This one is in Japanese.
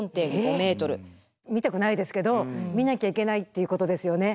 見たくないですけど見なきゃいけないっていうことですよね。